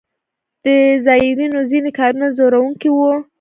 د زایرینو ځینې کارونه ځوروونکي وو.